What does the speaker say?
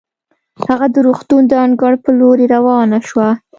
هغه د روغتون د انګړ په لورې روانه شوه.